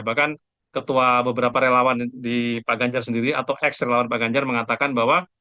bahkan ketua beberapa relawan di pak ganjar sendiri atau ex relawan pak ganjar mengatakan bahwa